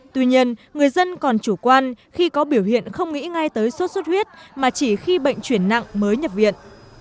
tuy nhiên người dân còn chủ quan khi có biểu hiện không nghĩ ngay tới sốt xuất huyết mà chỉ khi bệnh chuyển nặng mới nhập viện